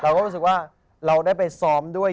เราก็รู้สึกว่าเราได้ไปซ้อมด้วย